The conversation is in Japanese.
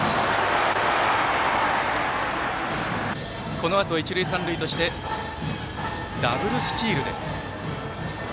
このあと、一塁三塁としてダブルスチールで。